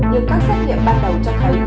nhưng các xét nghiệm ban đầu cho thấy